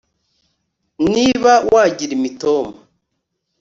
niba wagira imitoma